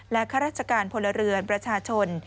ข้าราชการพลเรือนประชาชน